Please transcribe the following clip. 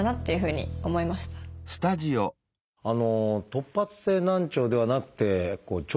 突発性難聴ではなくて聴